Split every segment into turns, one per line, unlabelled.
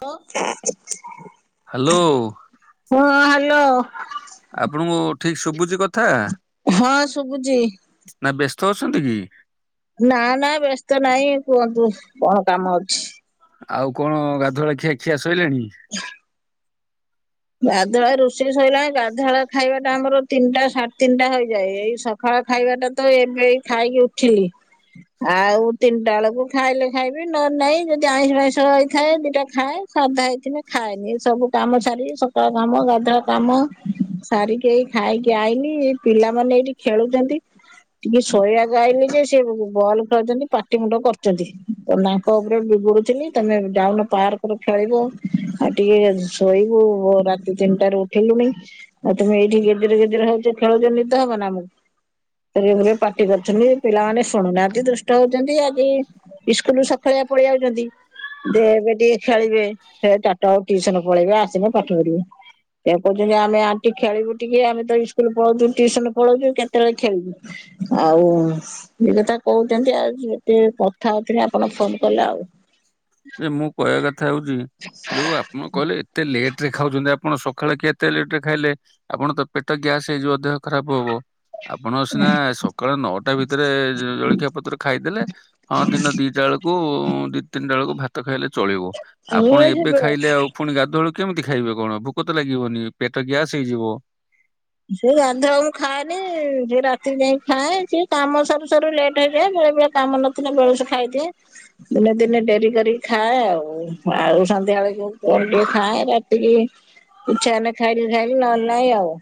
ହ [unintelligible]
ହ୍ୟାଲୋ
ହଁ ହ୍ୟାଲୋ
ଆପଣଙ୍କୁ ଠିକ ଶୁଭୁଛି କଥା?
ହଁ ଶୁଭୁଛି
ନା ବ୍ୟସ୍ତ ଅଛନ୍ତି କି?
ନା ନା ବ୍ୟସ୍ତ ନାହିଁ କୁହନ୍ତୁ କଣ କାମ ଅଛି?
ଆଉ କଣ ଗାଧୁଆ ଖିଆ ଖିଆ ଶଇଲେଣି?
[unintelligible] ଗାଧଆ ରୋଷେଇ ସୋଇଲାନି। ଗାଧଆ ଖାଇବାଟା ଆମର ତିନିଟା ସାଢେ ତିନିଟା ହେଇଯାଏ। ଏଇ ସ ଖଳ ଖାଇବା ଟା ତ ଏବେ ଖାଇକି ଉଠିଲି। ଆଉ ତିନିଟା ବେଳକୁ ଖାଇଲେ ଖାଇବି ନହ ନାଇଁ ଯଦି ଆଇଁଷ ଫଇଁଷ ହେଇଥାଏ ଦିଟା ଖାଏ। ସାଧା ହେଇଥଥିଲେ ଖାଏନି ସବୁ କାମ ସାରିବି ସବୁ କଟ କାମ ଗାଧୁଆ କାମ ସାରିକି ଏ ଖାଇକି ଆଇନି ଏଇ ପିଲାମାନେ ଏଇଠି ଖେଳୁଛନ୍ତି। ଟିକେ ଶୋଇବାକୁ ଆଇଲି ଯେ ସେ ବଲ ଖେଳଛନ୍ତି ପାଟି ମୁଣ୍ଡ କରୁଛନ୍ତି। ଟାଙ୍କ ଉପରେ ବିଗୁଡୁଥିଲି ତମେ ଯାଉନ ପାର୍କ ରରେ ଖେଳିବ ଆଉ ଟିକେ ଶୋଇବୁ ରାତି ତିନିଟାରୂ ଉଠିଲୁଣି ଆଉ ତମେ ଏଇଠି ଗେଜରେ ଗେଜରେ ହଉଛ ଖେଳ ନିଦ ହବ ନା ଆମକୁ। ରେ ପାର୍ଟି କରୁଛନ୍ତି ପିଲାମାନେ ଶୁଣୁନାହାନ୍ତି ଦୁଷ୍ଟ ହଉଛନ୍ତି। ଆଜି ଇସ୍କୁଲରୁ ସକାଳିଆ ପଳେଇ ଆଉଛନ୍ତି। ଦେ ଏବେ ଟିକେ ଖେଳିବେ ସେ ଚାରିଟା ବେଳକୁ ଟ୍ୟୁସନ ପଳେଇବେ ଆସିବେ ପାଠ ପଢିବେ। ସେ କହୁଛନ୍ତି ଆମେ [unintelligible] ଖେଳିବୁ ଟିକେ ଆମେ ତ ସ୍କୁଲ ପଉଛୁ ଟଟିୁସନ ପଢଉଛୁ କେତେବେଳେ ଖେଳିବୁ? ଆଉ ସେଇକଥା କହୁଛନ୍ତି ଆଉ ଯେ କଥା ହଉଥିଲେ ଆପଣ ଫୋନ କଲେ ଆଉ।
ଯେ ମୁଁ କହିବା କଥା ହଉଛି ଯୋଉ ଆପଣ କହିଲେ ଏତେ ଲେଟ ରେ ଖାଉଛନ୍ତି ଆ ଆପଣ ସକାଳେ କେତେ ଲେଟ୍ ରେ ଖାଇଲେ ଆପଣ ତ ପେଟ ଗ୍ୟାସ ହେଇଯିବ ଦେହ ଖରାପ ହବ। ଆପଣ ସିନା ସକାଳ ନଅଟା ଭିତରେ ଜଳଖିଆ ପତ୍ର ଖାଇଦେଲେ। ହଁ ଦିନ ଦିଟା ବେଳକୁ ଦି ତିନିଟା ବେଳକୁ ଭାତ ଖାଇଲେ ଚଳିବ।
ମୁଁ ଏ
ଆପଣ
ସେ
ଏବେ ଖାଇଲେ ଆଉ ପୁଣି ଗାଧୁଆଳୁ କେମିତି ଖାଇବେ କଣ ଭୋକ ତ ଲାଗିବନି ପେଟ ଗ୍ୟାସ୍ ହେଇଯିବ।
ସେ ଗାଧୁଆ ବେଳୁ ଖାଏନି ସେ ରାତି ଯାଇ ଖାଏ ସିଏ କାମ ସରୁ ସରୁ ଲେଟ୍ ହେଇଯାଏ। ବେଳେବେଳେ କାମ ନଥିଲେ ବେଣୁସୁ ଖାଇଦିଏ। ଦିନେ ଦିନେ ଡେରି କରିକି ଖାଏ ଆଉ। ଆଉ ସନ୍ଧ୍ୟା ବେଳକୁ କଣ ଟିକେ ଖାଏ ରାତିକି ଇଚ୍ଛା ହେଲେ ଖାଇଲି ଖାଇଲି ନହେଲେ ନାହିଁ ଆଉ।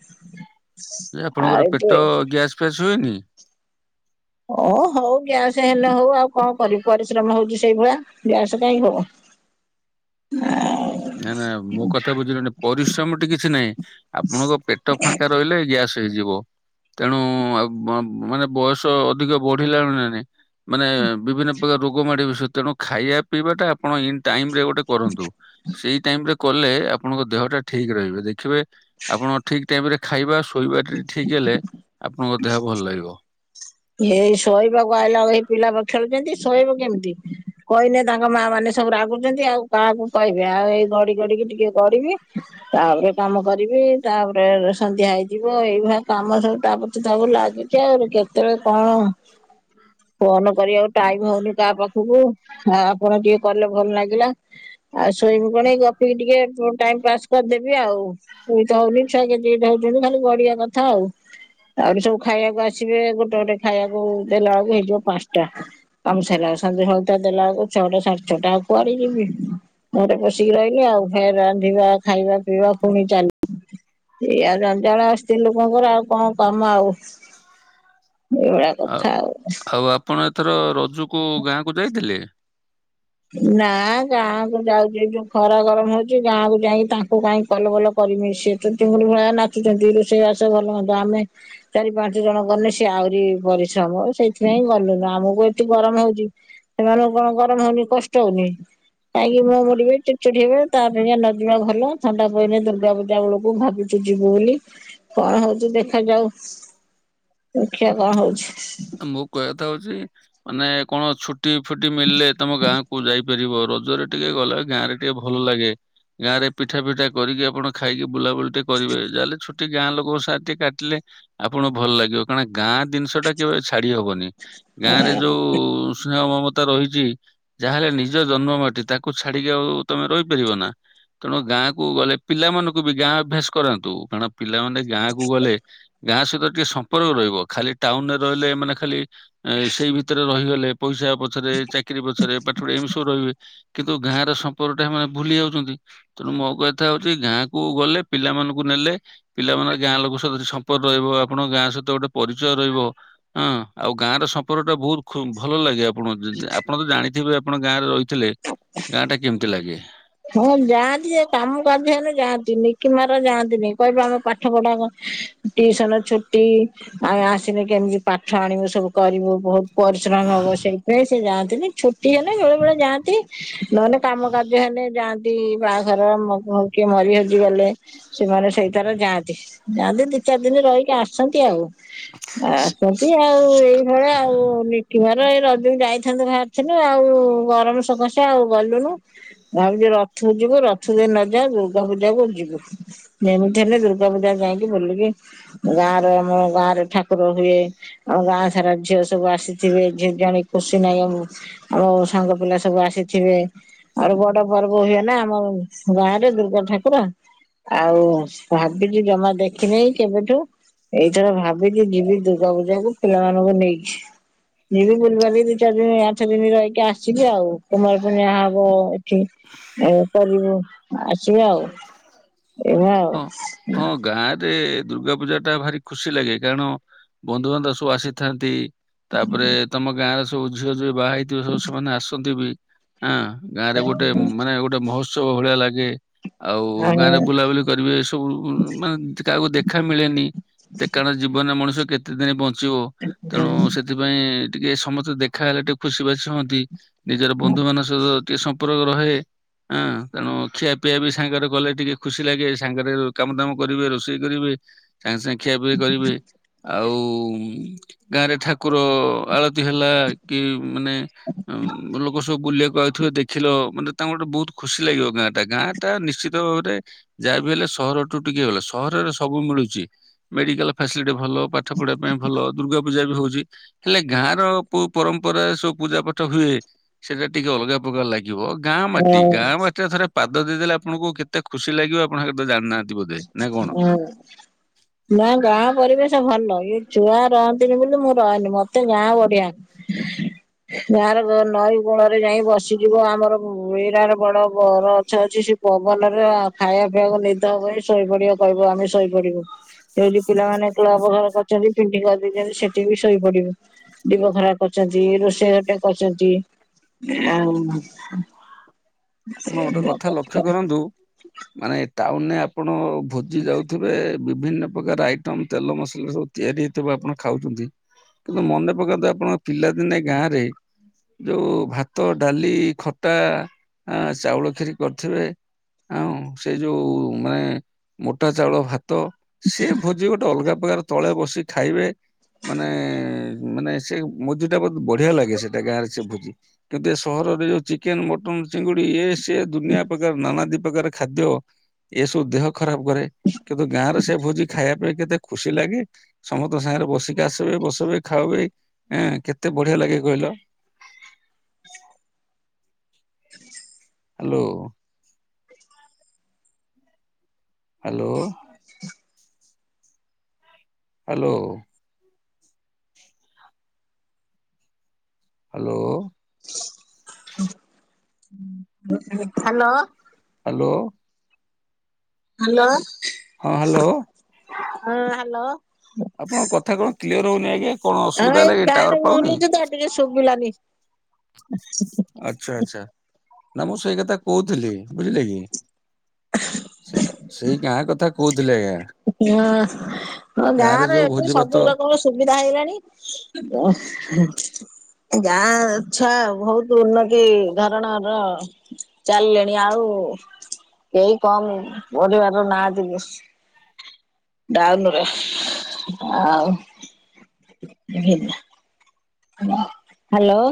ଆଉ
ଆପଣଙ୍କର
ଏବେ
ପେଟ ଗ୍ୟାସ୍ ଫ୍ୟାସ୍ ହୁଏନି?
ଓ ହଉ ଗ୍ୟାସ ହେନେ ହଉ ଆଉ କଣ କରିବି ପରିଶ୍ରମ ହଉଛି ସେଇଭଳିଆ ଗ୍ୟାସ କାଇ ହବ।
[inaudible] ନା ନା ମୋ କଥା ବୁଝିଲନି ପରିଶ୍ରମଟି କିଛି ନାହିଁ ଆପଣଙ୍କ ପେଟ ଫାଙ୍କା ରହିଲେ ଗ୍ୟାସ୍ ହେଇଯିବ, ତେଣୁ ଆ ମାନେ ବୟସ ଅଧିକ ବଢିଲାଣି ନା ନାହିଁ। ମାନେ ବିଭିନ୍ନ ପ୍ରକାର ରୋଗ ମାଡ଼ ବସିବ ତେଣୁ ଖାଇବା ପିଇବା ଟା ଆପଣ ଇନ ଟାଇମ ରେ ଗୋଟେ କରନ୍ତୁ। ସେଇ ଟାଇମ ରେ କଲେ ଆପଣଙ୍କ ଦେହ ଟା ଠିକ ରହିବେ, ଦେଖିବେ ଆପଣ ଠିକ ଟାଇମ ରେ ଖାଇବା ଶୋଇବା ଟା ଠିକ ହେଲେ ଆପଣଙ୍କ ଦେହ ଭଲ ଲାଗିବ।
ହେଇ ଶୋଇବାକୁ ଆଇଲା ହେଇ ପିଲା ପା ଖେଳୁଛନ୍ତି ଶୋଇବ କେମତି କହିନେ ତାଙ୍କ ମା ମାନେ ସବୁ ରାଗୁଛନ୍ତି ଆଉ କାହାକୁ କହିବେ ଆଉ ଏଇ ଘଡି ଗଡିିକି ଟିକେ ଗଡିବି। ତାପରେ କାମ କରିବି ତାପରେ ସନ୍ଧ୍ୟା ହେଇଯିବ ଏଇଭଳିଆ କାମ ସବୁ ତାପଛକୁ ତାକୁ ଲାଗି ଚି ଆଉ କେତଳେ କଣ ଫୋନ କରିବାକୁ ଟାଇମ ହଉନି କାଆ ପାଖକୁ ଆ ଆପଣ ଟିକେ କଲେ ଭଲ ଲାଗିଲା। ଆଉ ଶୋଇବୁ କଣ ଏଇ ଗପିକି ଟିକେ ଟାଇମ ପାସ୍ କରିଦେବି ଆଉ। ଶୁଇ ତ ହଉନି ଛୁଆ ଗେଜେ ଗେଜେ ହୋଉଛନ୍ତି, ଖାଲି ଗଡିବା କଥା ଆଉ ଆହୁରି ସବୁ ଖାଇବାକୁ ଆସିବେ। ତାପରେ ଖାଇବାକୁ ଦେଲା ବେଳକୁ ହେଇଯିବ ପାଞ୍ଚଟା। କାମ ସାରିଲା ବେଳୁ ସଞ୍ଜ ସଳିତା ଦେଲା ବେଳକୁ ଛଅଟା ସାଢେ ଛଅଟା କୁଆଡେ ଯିବି। ଘରେ ପଷିକି ରହିଲି ଆଉ ଫେରେ ରାନ୍ଧିବା ଖାଇବା ପିଇବା ପୁଣି ଚାଲ ଏଇଆ ଜଞ୍ଜାଳ ସ୍ତ୍ରୀ ଲୋକଙ୍କର ଆଉ କଣ କାମ ଆଉ। ଏଇଭଳିଆ
ଆ
କଥା ଆଉ।
ଆଉ ଆପଣ ଏଥର ରଜୁକୁ ଗାଁ କୁ ଯାଇଥିଲେ?
ନା ଗାଁ କୁ ଯାଉଛି ଏ ଯୋଉ ଖରା ଗରମ ହଉଛି ଗାଁକୁ ଯାଇକି ତାଙ୍କୁ କାହିଁ କଲ ବଲ କରିମି ସେ ତ [unintelligible] ଭଳିଆ ନାଚୁଛନ୍ତି ରୋଷେଇ ଆସ ଭଲ ମନ୍ଦ ଆମେ ଚାରି ପାଞ୍ଚ ଜଣ ଗନେ ସିଏ ଆହୁରି ପରିଶ୍ରମ ସେଇଥିପାଇଁ ଗଲୁନୁ ଆମକୁ ଏତେ ଗରମ ହଉଛି। ସେମାନଙ୍କୁ କଣ ଗରମ ହଉନି କଷ୍ଟ ହଉନି। କାଇଁକି ମୁହଁ ମୋଡ଼ିବେ ଚିଡ ଚିଡ୍ ହେବେ ତା ଅପେକ୍ଷା ନ ଯିବା ଭଲ ଥଣ୍ଡା ପଇନେ ଦୁର୍ଗା ପୂଜା ବଳକୁ ଭାବୁ ଯିବୁ ବୋଲି କଣ ହଉଚି ଦେଖାଯାଉ। ଦେଖିଆ କଣ ହଉଛି।
ମୋ କହିବାକଥାଉଛି ମାନେ କଣ ଛୁ ଛୁଟି ଫୁଟି ମଳିଲେ ତମ ଗାଁକୁ ଯାଇପାରିବ ରଜରେ ଟିକେ ଗଲେ ଗାଁରେ ଟିକେ ଭଲ ଲାଗେ ଗାଁ ରେ ପିଠା ଫିଠା କରିକି ଆପଣ ଖାଇକି ବୁଲାବୁଲି ଟି କରିବେ ଯାହାଲେ ଛୁଟି ଗାଁ ଲୋକଙ୍କ ସା କାଟିଲେ ଆପଣଙ୍କୁ ଭଲ ଲାଗିବ କାରଣ ଗାଁ ଜିନିଷଟା କେବେ ଛାଡି ହବନି, ଗାଁ ରେ ଯୋଉ ସ୍ନେହ ମମ ତା ରହିଚି ଯାହାହେଲେ ନିଜ ଜନ୍ମ ମାଟି ତାକୁ ଛାଡିକି ଆଉ ତମେ ରହିପାରିବ ନା? ତେଣୁ ଗାଁ କୁ ଗଲେ ପିଲାମାନଙ୍କୁ ବି ଗାଁ ଅଭ୍ୟାସ କରାନ୍ତୁ, କାଣ ପିଲାମାନେ ଗାଁକୁ ଗଲେ ଗାଁ ସହିତ ଟିକେ ସମ୍ପର୍କ ରହିବ ଖାଲି ଟାଉନରେ ରହିଲେ ମାନେ ଖାଲି ସେଇ ଭିତରେ ରହିଗଲେ ପଇସା ପଛରେ ଚାକିରି ପଛରେ ପାଠ ପଢେ ଏମି ସବୁ ରହିବେ କିନ୍ତୁ ଗାଁର ସମ୍ପର୍କ ଟା ହେମାନେ ଭୁଲି ଯାଉଛନ୍ତି। ତେଣୁ ମୋ କହିବା କଥା ହଉଛି ଗାଁକୁ ଗଲେ, ପିଲାମାନଙ୍କୁ ନେଲେ ପିଲା ମାନଙ୍କ ଗାଁ ଲୋକଙ୍କ ସହିତ ସମ୍ପର୍କ ରହିବ ଆପଣଙ୍କ ଗାଁ ସହିତ ଗୋଟେ ପରିଚୟ ରହିବ। ହଁ ଆଉ ଗାଁ ର ସମ୍ପର୍କ ଟା ବହୁତ ଖୁ ଭଲ ଲାଗେ, ଆପଣ ଆପଣ ତ ଜାଣିଥିବେ ଆପଣ ଗାଁରେ ରହି ଥିଲେ ଗାଁ ଟା କେମିତି ଲାଗେ।
ହଁ ଯାଆନ୍ତି ଯେ କାମ କାଯ୍ୟ ହେନେ ଯାଆନ୍ତି ନିକି ମାର ଯାଆନ୍ତିନି କହିବେ ଆମେ ପାଠ ପଢା ଟିଇସନ ଛୁଟି ଆଉ ଆସିଲେ କେମିତି ପାଠ ଆଣିବୁ ସବୁ କରିବୁ ବହୁତ ପରିଶ୍ରମ ହବ ସେଇଥିପାଇଁ ସେ ଯାଆନ୍ତିନି ଛୁଟି ହେନେ ବେଳେ ବେଳେ ଯାଆନ୍ତି। ନହେଲେ କାମ କାର୍ଯ୍ୟ ହେନେ ଯାଆନ୍ତି ବାହାଘର କିଏ ମରି ହଜିଗଲେ। ସେମାନେ ସେଇଥର ଯାଆନ୍ତି, ଯାଆନ୍ତି ଦି ଚାରି ଦିନ ରହିକି ଆସନ୍ତି ଆଉ। ଆସନ୍ତି ଆଉ ଏଇଭଳିଆ ଆଉ ନିକିମା ରେ ଏଇ ରଜୁକୁ ଯାଇଥାନ୍ତୃ ବାହାର ଥିନୁ ଆଉ ଗରମ ସକାସେ ଆଉ ଗଲୁନୁ। ଭାବୁଚୁ ରଥକୁ ଯିବୁ ରଥ ଦେଇ ନ ଯାଅ ଦୁର୍ଗା ପୂଜା କୁ ଯିବୁ। ଯେମିତି ହେଲେ ଦୁର୍ଗା ପୂଜା ଯାଇକି ବୁଲିକି ଗାଁ ର ଆମ ଗାଁ ରେ ଠାକୁର ହୁଏ ଆମ ଗାଁ ସାରା ଝିଅ ସବୁ ଆସିଥିବେ ଝିଅ ଝିଆଣି ଖୁସି ନାହିଁ ଆମ ଆମ ସାଙ୍ଗ ପିଲା ସବୁ ଆସିଥିବେ ଆରୁ ବଡ ପର୍ବ ହୁଏ ନା ଆମ ଗାଁ ରେ ଦୁର୍ଗା ଠାକୁର। ଆଉ ଭାବିଛି ଜମା ଦେଖିନେଇ କେବେଠୁ ଏଇଥର ଭାବିଛିି ଯିବି ଦୁର୍ଗା ପୂଜା କୁ ପିଲାମାନଙ୍କୁ ନେଇକି। ଯିବି ବୁଲିବାଲିି କି ଦି ଚାରି ଦିନ ଆଠ ଦିନ ରହିକି ଆସିଲି ଆଉ କୁମାର ପୂର୍ଣ୍ଣିଆ ହବ ଵ ଏ କରିବୁ ଆସିବେ ଆଉ। ଏଇଭଳିଆ ଆଉ।
ହଁ ହଁ ଗାଁରେ ଦୁର୍ଗା ପୂଜା ଟା ଭାରି ଖୁସି ଲାଗେ କାରଣ ବନ୍ଧୁବାନ୍ଧବ ସବୁ ଆସିଥାନ୍ତି। ତାପରେ ତମ ଗାଁ ର ସବୁ ଝିଅ ଯିଏ ବାହା ହେଇଥିବ ସବୁ ସେମାନେ ଆସନ୍ତି ବି ହଁ ଗାଁ ରେ ଗୋଟେ ମାନେ ଗୋଟେ ମହୋତ୍ସବ ଭଳିଆ ଲାଗେ ଆଉ ଗାଁ ରେ କରିବେ ଏ ସବୁ ମାନେ କାହାକୁ ଦେଖା ମିଳେନି ଦେ କାରଣ ଜୀବନରେ ମଣିଷ କେ କେତେ ଦିନ ବଞ୍ଚିବ ତେଣୁ ସେଥିପାଇଁ ଟିକେ ସମସ୍ତେ ଦେଖାଲେ ଟିକେ ଖୁସି ବାସି ହୁଅନ୍ତି। ନିଜର ବନ୍ଧୁ ମାନଙ୍କ ସହିତ ଟିକେ ସମ୍ପର୍କ ରହେ ଆଁ ତେଣୁ ଖିଆ ପିଆ ବି ସାଙ୍ଗରେ କଲେ ଟିକେ ଖୁସି ଲାଗେ ସାଙ୍ଗରେ କାମ ଦାମ କରିବେ ରୋଷେଇ କରିବେ ତାଙ୍କେ ସାଙ୍ଗେ ଖିଆ ପିଇ କରିବେ ଆଉ ଆଉ ଗାଁରେ ଠାକୁର ଆଳ ତି ହେଲା କି ମାନେ ଲୋ ଆଁ ଲୋକ ସବୁ ବୁଲିବାକୁ ଆ ଥିବେ ଦେଖିଲ ମାନେ ତାଙ୍କୁ ଗୋଟେ ବହୁତ ଖୁସି ଲାଗିବ ଗାଁ ଟା ଗାଁ ଟା ନିଶ୍ଚିତ ଭାବରେ ଯାହାବି ହେଲେ ସହରଠୁ ଟିକେ ଅଲେ ସହରରେ ସବୁ ମିଳୁଚି। ମେଡିକାଲ ଫାସିଲିଟି ଭଲ ପାଠ ପଢିବା ପାଇଁ ଭଲ ଦୁର୍ଗା ପୂଜା ବି ହୋଉଚି ହେଲେ ଗାଁର ପୋଉ ପରମ୍ପରା ସବୁ ପୂଜା ପାଠ ହୁଏ ସେଟା ଟିକେ ଅଲଗା ପ୍ରକାର ଲାଗି ଗିବ ଗାଁ ମାଟି
ହଁ
ଗାଁ ମାଟିରେ ଥରେ ପାଦ ଦେଇଦେଲେ ଆପଣଙ୍କୁ କେତେ ଖୁସି ଲାଗିବ ଆପଣ ସେଥା ଜାଣିନାହାନ୍ତି। ବୋଧେ ନା କଣ?
ହଁ। ନା ଗାଁ ପରିବେଶ ଭଲ ଇଏ ଛୁଆ ରହନ୍ତିନି ବୋଲି ମୁଁ ରହେନି ମତେ ଗାଁ ବଢିଆ।
ହ
ଗାଁ ର ନଈ କୂଳରେ ଯାଇ ବସିଯିବ ଆମର ବିରାଟ ବଡ ବରଛ ଅଛି ସେ ପବନରେ ଆ ଖାଇବା ପିଇବାକୁ ନିଦ ହବ ଶୋଇପଡିବା କହିବ ଆମେ ଶୋଇପଡିବୁ। ଯଉଠି ପିଲାମାନେ କ୍ଲବ୍ ଘର କରିଛନ୍ତି ପିଣ୍ଡି କରିଦେଇଛନ୍ତି ସେଠି ବି ଶୋଇପଡିବୁ। ଦି ବଖରା କରିଛନ୍ତି ରୋଷେଇ ଘରଟେ କରିଚନ୍ତି। [inaudible]
ଆମ ଗୋଟେ କଥା ଲକ୍ଷ୍ୟ କରନ୍ତୁ ମାନେ ଟାଉନରେ ଆପଣ ଭୋଜି ଯାଉଥିବେ ଏବେ ବିଭିନ୍ନ ପ୍ରକାର ଆଇଟମ ତେଲ ମସଲା ସବୁ ତିଆରି ହେଇଥିବ ଆପଣ ଖାଉଛନ୍ତି। କିନ୍ତୁ ମନେ ପକାନ୍ତୁ ଆପଣଙ୍କ ପିଲାଦିନେ ଗାଁ ରେ ଯୋଉ ଭାତ ଡାଲି ଖଟା ଆ ଚାଉଳ ଖିରି କରିଥିବେ ଆଉଁ ସେ ଯୋଉ ମେଁ ମୋଟା ଚାଉଳ ଭା ତ ସେ ଭୋଜି ଗୋଟେ ଅଲଗା ପ୍ରକାର ତଳେ ବସି ଖାଇବେ। ମାନେ ମାନେ ସେ ମୋଜୀଟା ବହୁତ ବଢିଆ ଲାଗେ ସେଟା ଗାଁରେ ସେ ଭୋଜି। କିନ୍ତୁ ଏ ସହରରେ ଯୋଉ ଚିକେନ ମଟନ ଚିଙ୍ଗୁଡି ଏ ସିଏ ଦୁନିଆ ପ୍ରକାର ନାନାଦି ପ୍ରକାର ଖାଦ୍ୟ ଏସବୁ ଦେହ ଖରାପ କରେ କିନ୍ତୁ ଗାଁ ରେ ସେ ଭୋଜି ଖାଇବା ପାଇଁ କେତେ ଖୁସି ଲାଗେ। ସମସ୍ତଙ୍କ ସାଙ୍ଗରେ ବସିକି ଆସବେ ବସବେ ଖାାଉବେ ଏଁ କେତେ ବଢିଆ ଲାଗେ କହିଲ? Hello. Hello. Hello. Hello.
Hello.
Hello.
Hello.
ହଁ ହ୍ୟାଲୋ।
ହଁ ହ୍ୟାଲୋ।
ଆପଣଙ୍କ କଥା କଣ କ୍ଲିୟର ହଉନି ଆଜ୍ଞା କଣ
ହଁ
ଅସୁବିଧା ହେଲା
ଏଇ
କି ଟାୱାର
ଫ୍ୟାନ
ପାଉନି?
ବଲୁଚି ତ ଟିକେ ଶୁଭିଲାନି।
ଆଚ୍ଛା ଆଚ୍ଛା ନା ମୁଁ ସେଇ କଥା କହୁଥିଲି ବୁଝିଲେ କି? ସେ ସେଇ ଗାଁ କଥା କହୁଥିଲି ଆଜ୍ଞା।
ହଁ ହ ଗାଁରେ
ଯୋଉ
ଏବେ
ଭୋଜି ଭାତ
ସବୁ ରକମ ସୁବିଧା ହେଇଗଲାଣି। ଏ ଗାଁ ଛୁଆ ବହୁତ ଉନ୍ନତି ଧରଣର ଚାଲିଲେଣି ଆଉ କେହି କମ ପରିବାର ନାହାନ୍ତି ବେଶି। ଟାଉନରେ ଆଉ ଭିନ୍ ହୋ ହ୍ୟାଲୋ।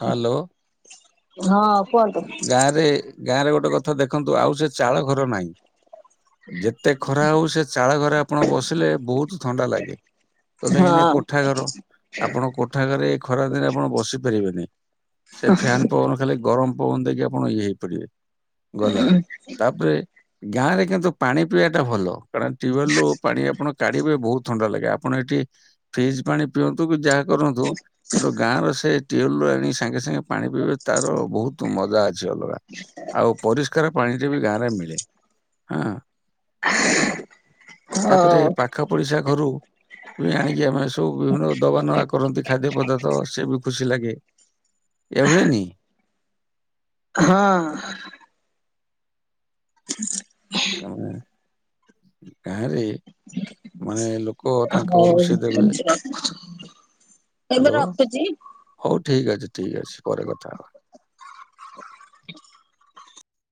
ହ୍ୟାଲୋ।
ହଁ କୁହନ୍ତୁ।
ଗାଁରେ ଗାଁରେ ଗୋଟେ କଥା ଦେଖନ୍ତୁ ଆଉ ସେ ଚାଳ ଘର ନାହିଁ। ଯେତେ ଖରା ହଉ ସେ ଚାଳ ଘରେ ଆପଣ ବସିଲେ ବହୁତ ଥଣ୍ଡା ଲାଗେ। ସହଜେ ଏଇନେ
ହଁ
କୋଠା ଘର ଆପଣ କୋଠା ଘରେ ଏଇ ଖରା ଦିନ ଆପଣ ବସି ପାରିବେନି ସେ ଫ୍ୟାନ ପବନ ଖାଲି ଗରମ ଆ ପବନ ଦେଇକି ଆପଣ ଇଏ ହେଇପାରିବେ ଗଲା ତାପରେ ଗାଁ ରେ କିନ୍ତୁ ପାଣି ପିଇବା ଟା ଭଲ କାରଣ ଟ୍ୟୁବଲ ରୁ ପାଣି ଆପଣ କାଢିବେ ବହୁତ ଥଣ୍ଡା ଲାଗେ ଆପଣ ଏଇଠି ଫ୍ରିଜ୍ ପାଣି ପିଅନ୍ତୁ କି ଯାହା କରନ୍ତୁ କିନ୍ତୁ ଗାଁ ର ସେ ଟ୍ୟୁଅଲରୁ ଆଣି ସାଙ୍ଗେ ସାଙ୍ଗେ ପାଣି ପିଇବେ ତାର ବହୁତ ତୁ ମଜା ଅଛି ଅଲଗା ଆଉ ପରିଷ୍କାର ପାଣି ରେ ବି ଗାଁରେ ମିଳେ ହଁ।
ହଉ
ତାପରେ ପାଖ ପଡିଶା ଘରୁ ବି ଆଣିକି ଆମେ ସବୁ ବିଭିନ୍ନ ଦବା ନବା କରନ୍ତି ଖାଦ୍ୟ ପଦାର୍ଥ ସେ ବି ଖୁସି ଲାଗେ। ଏଭେନି
ହଁ।
ଗାଁ ରେ ମାନେ ଲୋକ ତାଙ୍କ ଘରୁ ସେ ଦେବେ।
ହଉ ଏବେ
ହ୍ୟାଲୋ!
ରଖୁଛି?
ହଉ ଠିକ୍ ଅଛି ଠିକ୍ ଅଛି ପରେ କଥା ହବା।